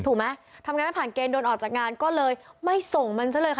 ถูกไหมทำงานไม่ผ่านเกณฑ์โดนออกจากงานก็เลยไม่ส่งมันซะเลยค่ะ